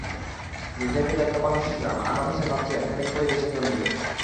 নির্ধারিত দায়িত্ব পালন শেষে আনোয়ার হোসেন ভাবছিলেন, খানিক পরেই দেশে ফোন দেবেন।